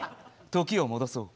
時を戻そう。